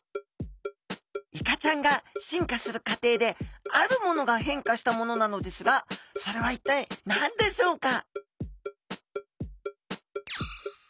イカちゃんが進化する過程であるものが変化したものなのですがそれは一体何でしょうか？